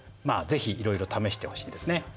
是非いろいろ試してほしいですね。